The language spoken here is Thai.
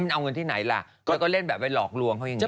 เอาเงินที่ไหนล่ะแล้วก็เล่นแบบไปหลอกลวงเขาอย่างนี้